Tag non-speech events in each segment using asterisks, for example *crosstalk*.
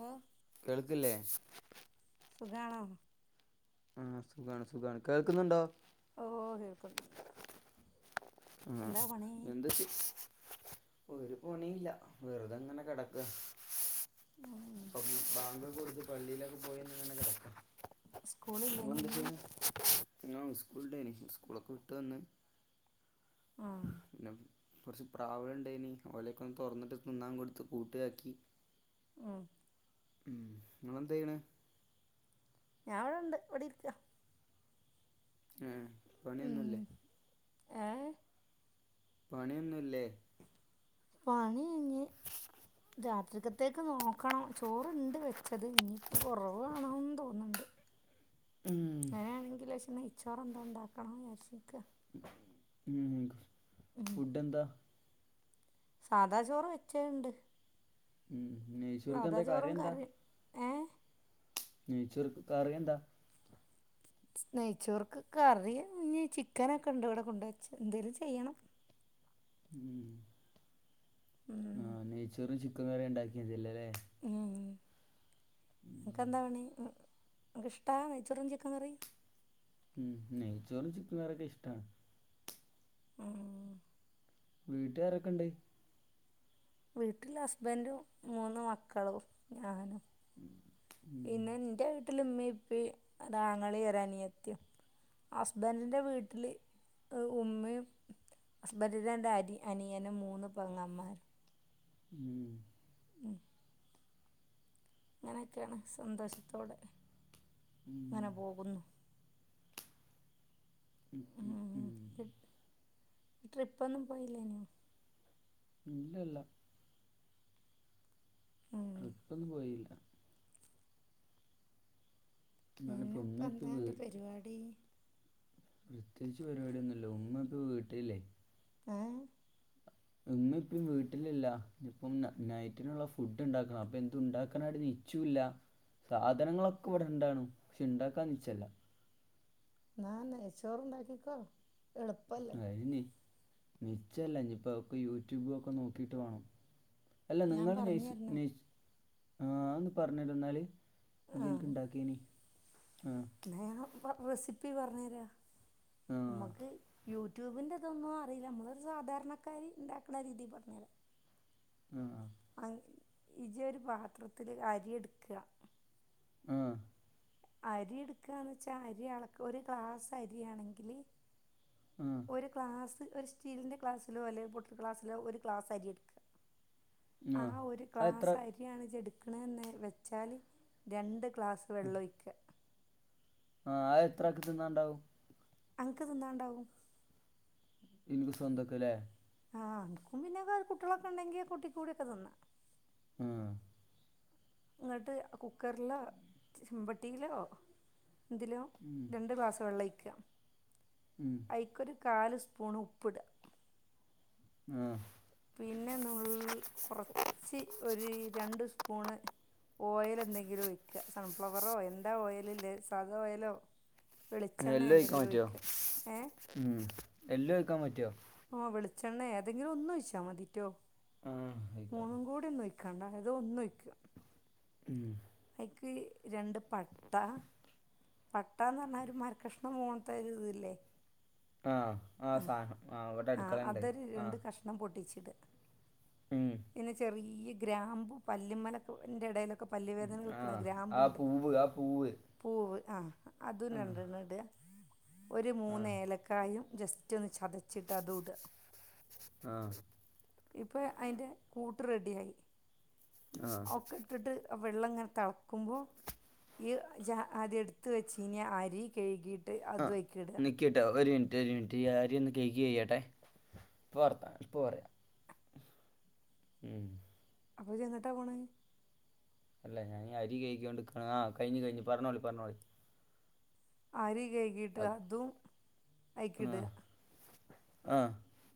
ആഹ് കേൾക്ക്ല്ലേ? സുഖാണോ? ആഹ്. സുഖാണ് സുഖാണ് കേക്കുന്ന്ണ്ടോ? ഓഹ്.. കേക്ക്ന്ന് ണ്ട് ആഹ് എന്താ ചെ ഒര് പണിംല്ല. വെറുതേങ്ങനെ കെടക്കാ ബാങ്കൊക്കെ കൊട്ത്ത് പള്ളീലൊക്കെ പോയന്ന്ങ്ങനെ കെടക്കാ. സ്കൂളില്ലേനിന്ന് ഉം സ്കൂളില്ലേ ങ്ങളെന്താ ഇന്ന്? ചെയ്യ്ന്നെ. ഞാ സ്കൂൾ ടെയ്നി. സ്കൂളൊക്കെ വിട്ട് വന്ന് ആഹ് പിന്നെ കൊർച്ച് പ്രാവ്കൾ ണ്ടായിനി. ഓലെക്കൊന്ന് തൊർ ന്ന്ട്ട് തിന്നാകൊട്ത്ത് കൂട്ട്ലാക്കി. ആഹ് ങ്ങളെന്തായ്യ്ണ്? ഞാ വ്ടെണ്ട്. വ്ടെ ഇര്ക്കാ. ഏഹ്. ഉം പണിയൊന്നുല്ലേ? ഏ പണിയൊന്നൂല്ലേ? പണി ഞ്ഞ് രാത്രി കത്തേക്ക് നോക്കണം. ചോറ്ണ്ട് വെച്ചത്. ഞ്ഞി പ്പം കൊറവാണോൻ തോന്ന്ണ്ട്. ഉം അങ്ങനേണെങ്കി ലേശം നൈ ചോറന്തോ ണ്ടാക്കണം യാര്ച്ചിക്കാ. ഉം ഉം ഫുഡ്ഡെന്താ? സാധാചോറ് വെച്ചേണ്ട്. ഉം. നെയ്ചൊർക്കെന്താ ചോറും കറിന്താ? കറിയും ഏ നെയ്ച്ചോർക്ക് കറിയെന്താ? നെയ്ച്ചോർക്ക് കറി ഞ്ഞ് ചിക്കനൊക്കെ ണ്ട് വടെ കൊണ്ട് വെച്ചെ. എന്തേലും ചെയ്യണം. ഉം ഉം ആഹ് നെയ്ച്ചോറും ചിക്കകറിം ണ്ടാക്കിയാതില്ലോ ല്ലേ? ഉം. അൻക്കെന്താ പണി. ങ്ങക്ക് ഇഷ്ടാ നെയ്ച്ചോറും ചിക്കകറിം. ഉം. നെയ്ച്ചോറും ചിക്കകറിയൊക്കെ ഇഷ്ടാണ്. ആഹ് വീട്ട് ആരൊക്കെണ്ട്? വീട്ടില് ഹസ്ബൻൻ്റും. മൂന്ന് മക്കളും, ഞാനും. ഉം പിന്നെ ൻ്റെ വീട്ട്‌ല് മ്മിം, പ്പിം ഒരാങ്ങളീം, ഒരനിയത്തീം ഹസ്ബൻ്റിൻ്റെ വീട്ട്‌ല് ഏ ഉമ്മയും ഹസ്ബൻ്റിൻ്റെ രണ്ട് അരി അനിയനും, മൂന്ന് പെങ്ങമ്മാരും. ഉം ഉം അങ്ങനെക്കെണ് സന്തോഷത്തോടെ അങ്ങനെ ഉം പോകുന്നു ഉം ഉം ഉം ട്രിപ്പ് ഒന്നും പോയില്ലേനോ ഇല്ലല്ല ഉം ട്രിപ്പൊന്നും പോയില്ല ഇന്ന്പ്പൊ പിന്നെ ഇപ്പം ഇമ്മീംഇപ്പീ എന്താ വീ എൻ്റെ പരിപാടി പ്രത്യേകിച്ച് പരിപാടിയൊന്നുമില്ല ഉമ്മ ഇപ്പൊ വീട്ടിലില്ലേ ആഹ് ഇമ്മീം ഇപ്പിയിം വീട്ടിലില്ല ഇനി ഇപ്പം നൈ നൈറ്റിനുള്ള ഫുഡ് ഉണ്ടാക്കണം അപ്പം എന്തുണ്ടാക്കാനാണിനി നിച്ചുല്ല സാധനങ്ങളൊക്കെ ഇവിടെണ്ടാനും പക്ഷെ ഇണ്ടാക്കാനിച്ചല്ല ന്നാ നെഴ്‌ച്ചോറുണ്ടാക്കിക്കോ എളുപ്പല്ലെ എല്ലാരും നി നിശ്ചയമല്ലേ ഇനിയിപ്പം അവക്ക് യൂട്യൂബ് ഒക്കെ നോക്കിട്ട് പോണം അല്ല ഞാൻ നിങ്ങള് പറഞ്ഞു നേഴ്സ് തരണോ നേഴ്സ് ഏഹ് അ ഒന്നു പറഞെരൊ ന്നാല് ഒന്ന് ആ ഇൻക്കും ഇണ്ടാക്കേയ്നി ആഹ് വേണേ പ്പ റെസിപ്പി പറഞ്ഞ് തരാ ആ അമ്മക്ക് യു യൂട്യൂബിൻ്റെ തൊന്നും അറീല നമ്മളൊരു സാധാരണക്കാരി ഉണ്ടാക്കുന്ന രീതിൽ പറഞ്ഞു തരാം ആഹ് ആഹ് അഹ് ഇജൊരു പാത്രത്തില് അരി ഇട്ക്ക ആഹ് അരി ഇട്ക്കാന്ന്ച്ചാ അരി അളക്ക ഒരു ക്ലാസ് അരിയാണെങ്കില് ആഹ് ഒര് ക്ലാസ് ഒരു സ്റ്റീലിന്റെ ക്ലാസിലോ അല്ലെ ബോട്ടിൽ ക്ലാസിലോ ഒരു ഗ്ലാസ് അരി ഇട്ക്ക്അ ആ ആഹ് ഒരു അത് എത്ര ഗ്ലാസ് അരിയാണ് ഇജ് എടുക്കണെന്ന് വെച്ചാല് രണ്ട് ഗ്ലാസ് വെള്ളൊഴിക്ക ആഹ് അത് എത്രാക്ക് തിന്നാണ്ടാവും അൻക്ക് തിന്നാണ്ടാവും ഇൻക്ക് സ്വന്തക്ക്ലെ ആഹ് അനക്കും പിന്നെ വേറെ കുട്ടികളൊക്കെ ഉണ്ടെങ്കിൽ കുട്ടിക്കൂടെ ഒക്കെ തിന്നാം ആഹ് ഇന്നട്ട് കുക്കറിലോ ചെമ്പട്ടിയിലോ എന്തിലോ ഉം, രണ്ട് ഗ്ലാസ് വെള്ളം ഒഴിക്ക ഉം, അയ്ക്കൊരു കാല് സ്പൂൺ ഉപ്പ്ട് ആഹ് പിന്നെ നുള്ള് കൊറച്ച് ഒരു രണ്ട് സ്പൂണ് ഓയല് എന്തെങ്കിലും ഒഴിക്ക സൺഫ്ലവറോ എന്താ ഓയില്ള്ളത് സാദാ ഓയിലോ വെളിച്ചെണ്ണേ എല്ലാം കഴിക്കാൻ എന്തെങ്കിലും പറ്റുമോ ഒയ്ക്ക ഏഹ് ഉം എല്ലൊം ഒഴിക്കാൻ പറ്റോ ആഹ് വെളിച്ചെണ്ണേ ഏതെങ്കിലും ഒന്നൊഴിച്ചാൽ മതിറ്റോ ആഹ് മൂന്നും കൂടി ഒന്നും ഒഴിക്കണ്ട ഏതേം ഒന്നൊഴിക്ക് ഉം അയ്ക്ക് രണ്ട് പട്ട പട്ടാന്ന് പറഞ്ഞാ ഒരു മരക്കഷ്ണം മോൺത്തെ ഒരു ഇത് ല്ലേ ആഹ് ആ സാനം ആഹ് വ്ടെ അടുക്കളെണ്ട് ആഹ് ണ്ണം പൊട്ടിച്ചട്ട് പിന്നെ ചെറിയ്യെ ഗ്രാമ്പു പല്ലിമലൊക്കെ ഇന്റെ ഇടയിലൊക്കെ പല്ല് ആ വേദനക്കൊക്കെ വെക്കണ ആ ഗ്രാമ്പുണ്ട് പൂവ് ആ പൂവ് പൂവ് ആഹ് അതും ആ രണ്ടണ്ണട്അ ഒരു ആ മൂന്നേലക്കായും ജസ്റ്റ് ഒന്ന് ചതച്ചിട്ട് അതൂട ആഹ് ഇപ്പൊ അതിന്റെ കൂട്ട് റെഡി ആയി ആ ഒക്കെ. ഇട്ടിട്ട് വെള്ളം ഇങ്ങനെ തിളക്കുമ്പോ ഈ ഇജ് അദ്യം എടുത്ത് വെച്ചിരുന്ന അരി കഴുകി ആഹ് നിക് നിക്കിട്ടോ ഒരു മിനിറ്റ് ഒരു മിനിറ്റ് ഈ അരി ഒന്ന് കഴുകിക്കെയ്യട്ടെ ഇപ്പൊ വർത്താനം ഇപ്പൊ ഉം അപ്പൊ ഇജെങ്ങട്ടാ പോണെ? അല്ല ഞാൻ ഈ അരി കഴികിയോണ്ട് നിൽക്കയാ ആ കഴിഞ്ഞ് കഴിഞ്ഞ് പറഞ്ഞോളി പറഞ്ഞോളി അരി കഴികിയിട്ട് ആ അതും അയ്കിടുക ആഹ്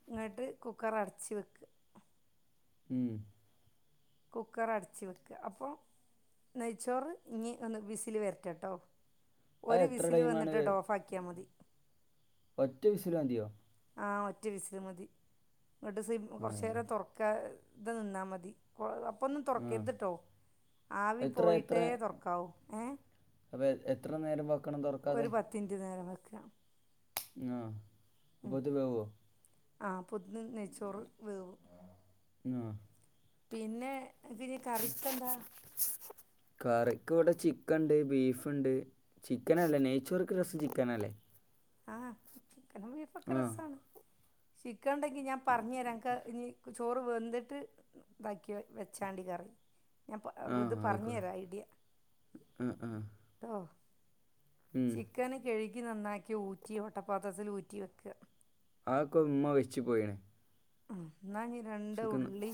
എന്നട്ട് കുക്കർ അടച്ച് വക്കുക. ഉം കുക്കർ അടച്ച് വെക്കുക അപ്പൊ നെയച്ചോറ് ഇനി ഒന്ന് വിസില് വരട്ടെട്ടോ? അത് ഒരു എത്ര വിസിൽ ടൈമാണ് വന്നിട്ടേട്ടോ ഓഫ് ആക്കിയാ മതി. ഒറ്റ വിസിൽ മതിയോ? ആ ഒറ്റ വിസിൽ മതി എന്നിട്ട് സി ആ കൊറച്ചു നേരം തുറക്കാതെ നിന്നാൽ മതി. അപ്പോ ഒന്നും ആ തുറക്കരുതുട്ടോ ആവി എത്ര പോയിട്ടേ തുറക്കാവൂ ഏഹ് അപ്പൊ എ എത്ര നേരം വെ ഒരു പത്ത് മിനിറ്റ് നേരം വയ്ക്കുക. ആഹാ അപ്പോത് വേവുവോ? ആ അപ്പോത്തിന് നെയ്ച്ചോറ് വേവും. *unintelligible* പിന്നെ പിന്നെ കറിക്കെന്താ? കറിക്ക് ഇവിടെ ചിക്കൻ ഉണ്ട് ബീഫുണ്ട് ചിക്കൻ അല്ലേ നെയ്ച്ചോർക്ക് രസം ചിക്കനല്ലേ? ആ ചിക്കനും ബീഫൊക്കെ ആ രസാണ് ചിക്കൻ ഉണ്ടെങ്കിൽ ഞാൻ പറഞ്ഞുതരാം എക്ക് ഇനി ചോറ് വെന്തിട്ട് ഇതാക്കി വെ വെച്ചാതി കറി ഞാൻ പ ഇത് ആഹ് പറഞ്ഞു ആയിക്കോട്ടെ തരാം ഐഡിയ ആഹ് ആഹ്. ട്ടോ ചിക്കന് കഴുകി നന്നാക്കി ഊറ്റി വട്ടപാത്രത്തിൽ ഊറ്റി വെക്കുക. അതൊക്കെ ഉമ്മ വെച്ചു പോയാണ്. എന്നാ ഇനി രണ്ട് ഉള്ളി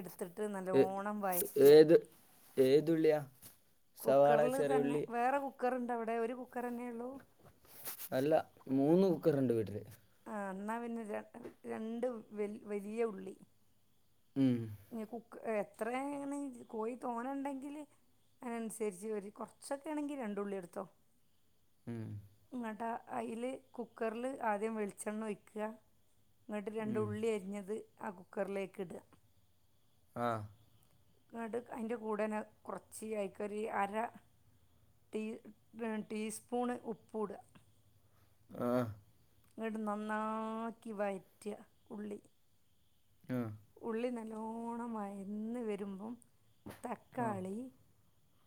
എടുത്തിട്ട് ഏ- നല്ലോണം വഴറ്റുക ഏത് ഉള്ളിയാ? കുക്കറിൽ തന്നെ വേറെ കുക്കറുണ്ടോ അവിടെ ഒരു കുക്കർ തന്നേ ഉള്ളൂ? അല്ല മൂന്ന് കുക്കറുണ്ട് വീട്ടില് ആഹ് എന്നാ പിന്നെ രണ്ട് രണ്ട് വലി വലിയ ഉള്ളി. ഉം ഇനി കുക്ക് എത്രയായാണ് കോയി തോനെ ഉണ്ടെങ്കില്? അതിനനുസരിച്ച് വരും കുറച്ചൊക്കെ ആണെങ്കി രണ്ട് ഉള്ളി എടുത്തോ ഉം എന്നിട്ട അയില് കുക്കറിൽ ആദ്യം വെളിച്ചെണ്ണ ഒഴിയ്ക്കുക എന്നിട്ട് രണ്ട് ഉം. ഉള്ളി അരിഞ്ഞത് ആ കുക്കറിലേക്ക് ഇടുക. ആഹ് ന്നട് അതിന്റെ കൂടേന് കൊറച്ച് *unintelligible* അര ടീ ടീസ്പൂൺ ഉപ്പൂടിക ആഹ്. എന്നിട്ട് നന്നാക്കി വയറ്റുക ഉള്ളി. ഉം ഉള്ളി നല്ലോണ്ണം വയന്ന് വരുമ്പം ആ തക്കാളി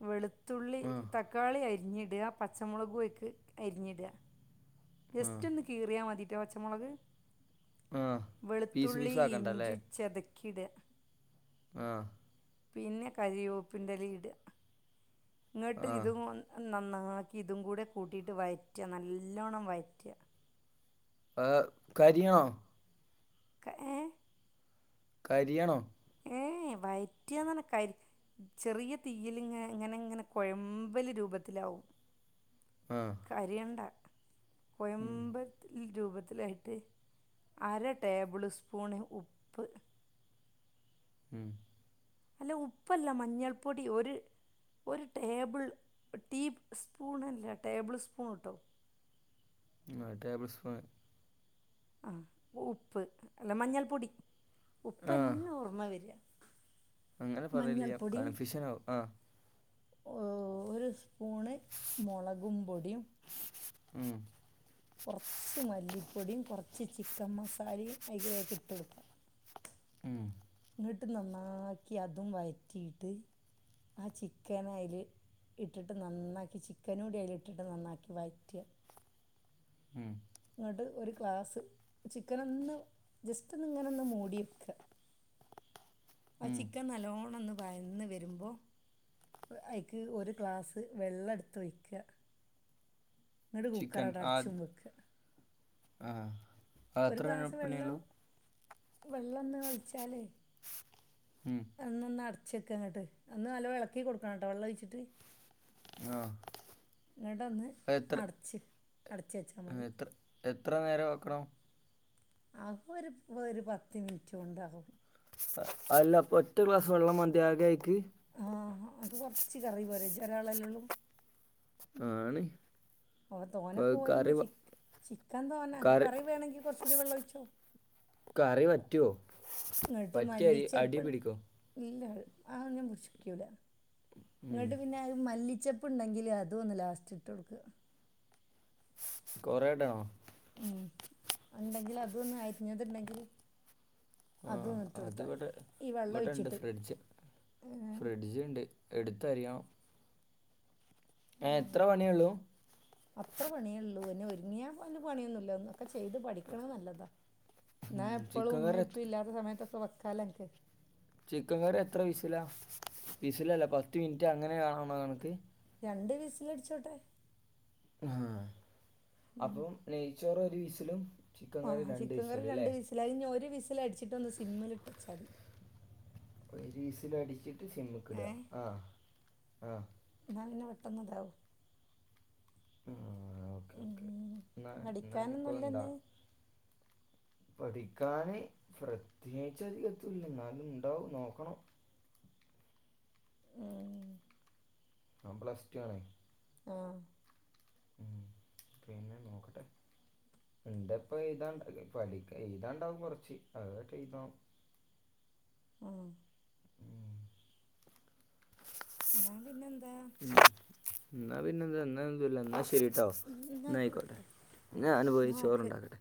വെളുത്തുള്ളി ആ തക്കാളി അരിഞ്ഞിടുക പച്ചമുളകും യേക്ക് അരിഞ്ഞിടുക. ആ ജസ്റ്റ് ഒന്ന് കീറിയാ മതീട്ടോ പച്ചമുളക് ആ പീസ് വെളുത്തുള്ളി പീസ് ആക്കണ്ട അല്ലേ ഇഞ്ചി ചതക്കി ഇടാ ആഹ് പിന്നെ കരിവേപ്പിന്റെ ഇല ഇടുക ഇങ്ങോട്ട് ആ ഇത് കൊ നന്നാക്കി ഇതും കൂടെ കൂട്ടിയിട്ട് വയറ്റുക നല്ലോണ്ണം വയറ്റുക ആഹ് കരിയ ക ഏഹ് കരിയണോ ഏയ് വയറ്റ കരി ചെറിയ തീയിലിങ്ങ ഇങ്ങനെ ഇങ്ങനെ കുഴമ്പലി രൂപത്തിലാവും ആഹ് കരിയണ്ട കൊയമ്പത്തി രൂപത്തിലായിട്ട് അര ടേബിള് സ്പൂണ് ഉപ്പ് ഉം അല്ല ഉപ്പല്ല മഞ്ഞൾപ്പൊടി ഒരു ഒരു ടേബിൾ ടീ സ്പൂൺ അല്ല ടേബിൾ സ്പൂൺ ട്ടോ ആ ടേബിൾ സ്പൂൺ ആ ഉപ്പ് അല്ല മഞ്ഞൾപ്പൊടി ആ ഉപ്പ്ന്നെ ഓർമ്മ വരിക അങ്ങനെ പറയല്ലി മഞ്ഞൾപ്പൊടിയും കൺഫ്യൂഷൻ ആവും ആഹ് ഒരു സ്പൂണ് മുളകും പൊടിയും ഉം കുറച്ച് മല്ലിപ്പൊടിയും കുറച്ച് ചിക്കൻ മസാലയും അതിലെക്ക് ഇട്ട് കൊടുക്കുക ഉം ഇങ്ങോട്ട് നന്നാക്കി അതും വറ്റിയിട്ട് ആ ചിക്കന് അതില് ഇട്ടിട്ട് നന്നാക്കി ചിക്കനുടി അതില് ഇട്ടിട്ട് നന്നാക്കി വയറ്റി ഉം ഇങ്ങോട്ട് ഒരു ഗ്ലാസ്സ് ചിക്കൻ ഒന്ന് ജസ്റ്റ് ഒന്ന് ഇങ്ങനെ ഒന്ന് മൂടി വെക്ക ആ ഉം. ചിക്കൻ നല്ലോണം ഒന്ന് വയന്ന് വരുമ്പോ അയിക്ക് ഒരു ഗ്ലാസ്സ് വെള്ളം എടുത്ത് ഒയ്ക്ക ചിക്കൻ ആത് അടച്ചും വെക്കുക ആ അത്ത്ര പണി ഒള്ളൂ വെള്ളൊന്ന് ഒഴിച്ചാലേ ഉം അന്ന് ഒന്ന് അടച്ച് വക്കാം ഇങ്ങട്ട് ഒന്ന് നല്ലോം ഇളക്കി കൊടുക്കണം കേട്ടെ വെള്ളം ഒഴിച്ചിട്ട് ആഹ് ഇങ്ങട്ടൊന്ന് അടച്ച് അടച്ച് വച്ചാൽ മതി എത്ര എത്ര നേരം വെക്കണം അത് ഒരു ഒരു പത്ത് മിനിറ്റ് കൊണ്ടാവും അല്ല അപ്പൊ ഒറ്റ ക്ലാസ് വെള്ളം മതി ആകെ ആയിക്ക് ആ അനക്ക് കുറച്ച് കറി പോരെ ഇജ് ഒരാളല്ലേ ഒള്ളു ആണ് ഓ ഇപ്പൊ തോന്ന അത് കേയിന്റെ കറി വ- ചിക്ക ചിക്കൻ തോന്നക്ക് കറി വേണെങ്കിൽ കുറച്ച് കൂടി വെള്ളം ഒഴിച്ചോ കറി പറ്റുമോ ഇങ്ങട്ട് പറ്റി മല്ലി അരി അടി ചെപ്പ് പിടിക്കോ ഇല്ല ആയ് അങ്ങനെ ദുഷിക്കൂല ഉം. ഇങ്ങോട്ട് പിന്നെ മല്ലിച്ചപ്പണ്ടെങ്കില് അതൊന്ന് ലാസ്റ്റ് ഇട്ട് കൊടുക്ക കൊറെ ഇടണോ ഉ ഉണ്ടെങ്കിൽ അതൊന് അരിഞ്ഞത് ഉണ്ടങ്കിൽ ആ അത് ഇവിടെ ഈ വെള്ളം ഇവിടെ ഇണ്ട് ഒഴിച്ചിട്ട് ഫ്രിഡ്ജ് ഏ, ഫ്രിഡ്ജ് ഇണ്ട് എടുത്ത് അരിയണം ഏഹ് ഇത്ര ഉം. പണിയേ ഒള്ളൂ അത്ര പണിയേ ഉള്ളൂ പിന്നെ ഒരുങ്ങിയാ അയില് പണിയൊന്നുല്ലാ ഒന്ന് ഒക്കെ ചെയ്ത് പഠിക്കണത് നല്ലതാ ഉം, എന്നാ എപ്പളും ചിക്കൻ കറി ഉമ്മേം എത്ര ഉപ്പേം ഇല്ലാത്ത സമയത്തൊക്കെ വെക്കാല്ലോ നിനക്ക് ചിക്കൻ കറി എത്ര വിസില വിസിലല്ല പത്ത് മിനിറ്റ് അങ്ങനെയാണോ *unintelligible* കണക്ക് രണ്ട് വിസില് അടിച്ചോട്ടെ ആഹ് അപ്പോം നെയ്ച്ചോറ് ഒരു വിസിലും ചിക്കൻ കറി ആഹ് രണ്ട് ചിക്കൻ കറി വിസിലും രണ്ട് അല്ലേ വിസിലായി ഇനി ഒരു വിസിൽ അടിച്ചിട്ട് ഒന്ന് സിമ്മിലിട്ട് വെച്ചാതി ഒരു വിസില് അടിച്ചിട്ട് സിമ്മിക്ക്ടുക ഏ ആഹ് ആഹ് എന്നാൽ പിന്നെ പെട്ടന്ന് ഇതാവും ആഹ് ഓക്കേ ഓക്കേ ഉം. എന്ന എന്നാ ഇനീപ്പോ അത് ഇണ്ടാ പഠിക്കാനൊന്നുമില്ലെന്ന് പഠിക്കാന് പ്രത്യേകിച്ച് അധികത്തൂല്ല എന്നാലും ഉണ്ടാവും നോക്കണം ഏഹ് ഓൻ പ്ലസ് ടു ആണ് ആഹ് ഉം പിന്നെ നോക്കട്ടെ ഇന്റെ ഇപ്പ ഏയ്താണ്ട് പടിക്ക എയ്താണ്ടാവും കൊറച്ച് അതായിട്ട് എഴുതണം ആഹ് ഉം എന്നാ പിന്നെ എന്താ എന്നാ പിന്നെന്താ എന്ന ഒന്നൂല്ല എന്നാ ശരി ട്ടോ ഉം, എന്നാ എന്ന ആയിക്കോട്ടെ ട്ടോ. ഞാന് പോയി എന്നാ ഓക്കെ ചോറുണ്ടാക്കട്ടെ